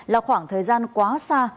là khoảng thời gian quá xa